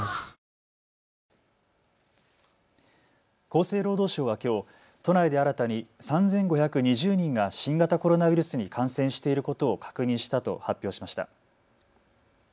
厚生労働省はきょう都内で新たに３５２０人が新型コロナウイルスに感染していることを確認したと発表しました。